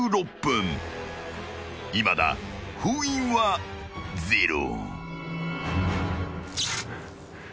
［いまだ封印はゼロ］